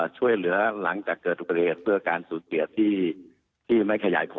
ช่วยเหลือหลังจากเกิดทุกประโยชน์เพื่อการสูดเกลี่ยที่ที่ไม่ขยายผล